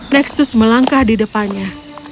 nexus melangkah di depannya